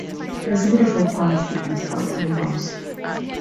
There's a beautiful palm tree in front of their house.